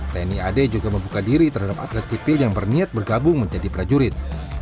tni ad juga membuka diri terhadap atlet sipil yang berniat bergabung menjadi prajurit